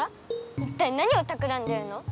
いったい何をたくらんでるの？